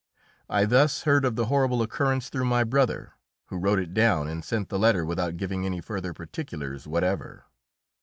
I thus heard of the horrible occurrence through my brother, who wrote it down and sent the letter without giving any further particulars whatever.